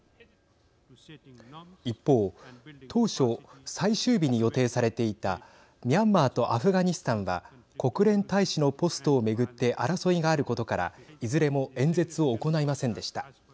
一方当初最終日に予定されていたミャンマーとアフガニスタンは国連大使のポストを巡って争いがあることからいずれも演説を行いませんでした。